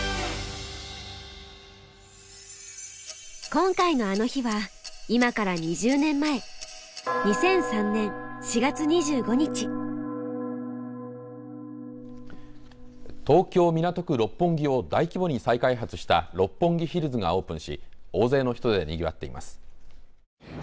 今回の「あの日」は今から２０年前東京・港区六本木を大規模に再開発した六本木ヒルズがオープンし大勢の人でにぎわっています。